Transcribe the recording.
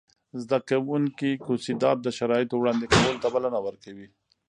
زده کوونکي کوسيدات د شرایطو وړاندې کولو ته بلنه ورکوي.